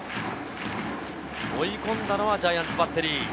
追い込んだのはジャイアンツバッテリー。